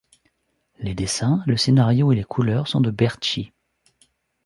Les dessins, le scénario et les couleurs sont de Bertschy.